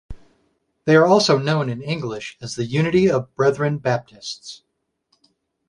They are also known in English as the Unity of Brethren Baptists.